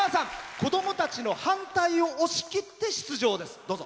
子どもたちの反対を押し切って出場です。